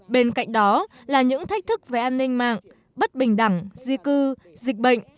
bên cạnh đó là những thách thức về an ninh mạng bất bình đẳng di cư dịch bệnh